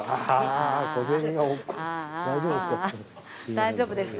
大丈夫ですか？